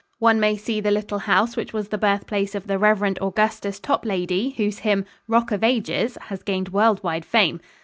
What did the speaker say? One may see the little house which was the birthplace of the Rev. Augustus Toplady, whose hymn, "Rock of Ages," has gained world wide fame.